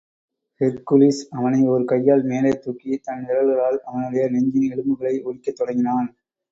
Hercules, அவனை ஒரு கையால் மேலேதூக்கி, தன் விரல்களால் அவனுடைய நெஞ்சின் எலும்புகளை ஒடிக்கத் தொடங்கினான்.